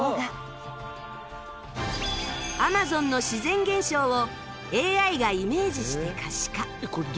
アマゾンの自然現象を ＡＩ がイメージして可視化